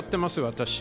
私。